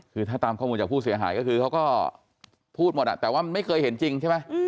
คือถ้าตามข้อมูลจากผู้เสียหายก็คือเขาก็พูดหมดแต่ว่ามันไม่เคยเห็นจริงใช่ไหม